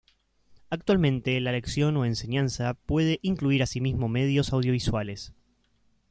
Actualmente, la lección o enseñanza puede incluir asimismo medios audiovisuales.